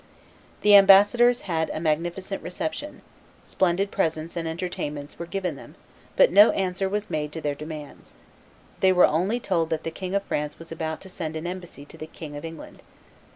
The ambassadors had a magnificent reception; splendid presents and entertainments were given them; but no answer was made to their demands; they were only told that the King of France was about to send an embassy to the King of England.